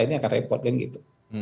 ini akan repot